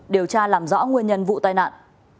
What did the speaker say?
điều tra làm rõ nguyên nhân vụ tai nạn